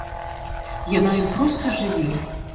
Яна ім проста жыве!